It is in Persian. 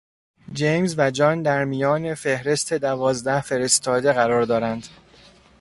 جیمز و جان در میان فهرست دوازده فرستاده قرار دارند.